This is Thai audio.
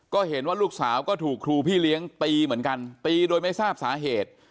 ก็เห็นว่าลูกสาวก็ถูกครูพี่เลี้ยงตีเหมือนกันตีโดยไม่ทราบสาเหตุ